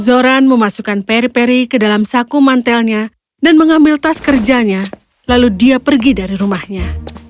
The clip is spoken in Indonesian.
zoran memasukkan peri peri ke dalam saku mantelnya dan mengambil tas kerjanya lalu dia pergi dari rumahnya